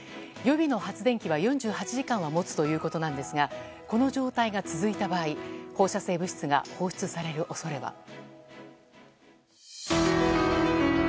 予備の発電機は４８時間はもつということですがこの状態が続いた場合放射性物質が放出される恐れは。